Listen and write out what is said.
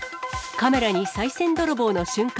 カメラにさい銭泥棒の瞬間。